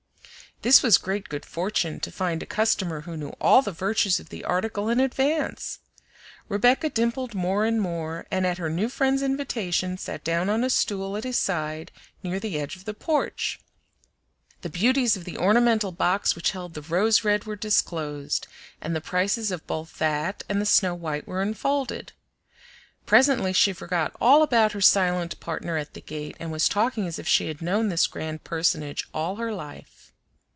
This was great good fortune, to find a customer who knew all the virtues of the article in advance. Rebecca dimpled more and more, and at her new friend's invitation sat down on a stool at his side near the edge of the porch. The beauties of the ornamental box which held the Rose Red were disclosed, and the prices of both that and the Snow White were unfolded. Presently she forgot all about her silent partner at the gate and was talking as if she had known this grand personage all her life.